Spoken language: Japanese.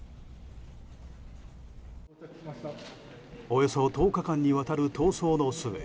およそ１０日間にわたる逃走の末